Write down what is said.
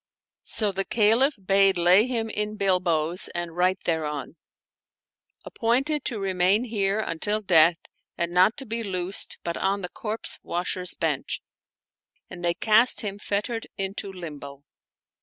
So the Caliph bade lay him in bilboes and write thereon, " Appointed to remain here until death, and not to be loosed but on the corpse washer's bench "; and they cast him fettered into limbo.